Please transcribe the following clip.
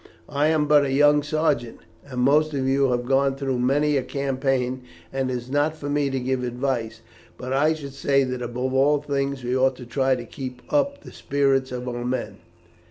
I am but a young sergeant, and most of you here have gone through many a campaign, and it is not for me to give advice, but I should say that above all things we ought to try to keep up the spirits of our men.